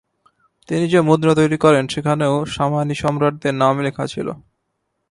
তিনি যে মুদ্রা তৈরি করেন, সেখানেও সামানি সম্রাটদের নামই লেখা ছিল।